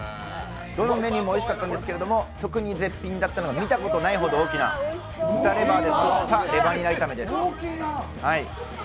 どのメニューもおいしかったんですけど特に絶品だったのが見たことないほど大きな豚レバーで作ったレバニラ炒めです。